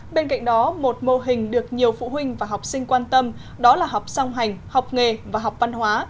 bên cạnh đó một mô hình được nhiều phụ huynh và học sinh quan tâm đó là học song hành học nghề và học văn hóa